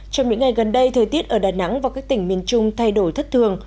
trong những ngày gần đây thời tiết ở đà nẵng và các tỉnh miền trung thay đổi thất thường